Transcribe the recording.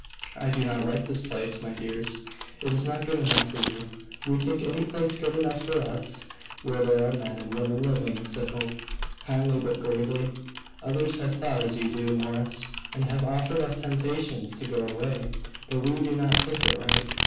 I do not like this place, my dears. It is not good enough for you." "We think any place good enough for us where there are men and women living," said Hope, kindly but gravely. "Others have thought as you do, Morris, and have offered us temptations to go away; but we do not think it right.